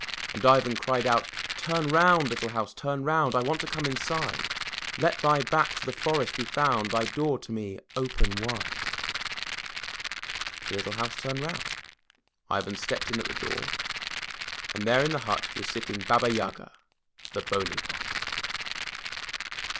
And Ivan cried out: *Tum round, little house, turn round, I want to come inside; Let thy back to the forest be found, Thy door to me open wide/' The little house turned round, Ivan stepped in at the door, and there in the hut was sitting Baba Yaga, the bony one.